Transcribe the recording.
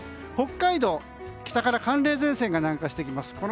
北海道、北から寒冷前線が南下してきます。